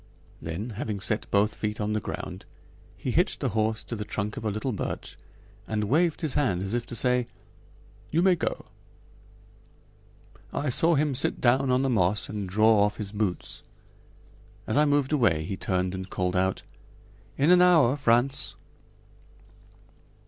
Then, having set both feet on the ground, he hitched the horse to the trunk of a little birch and waved his hand as if to say: "You may go." I saw him sit down on the moss and draw off his boots. As I moved away he turned and called out: "In an hour, Frantz."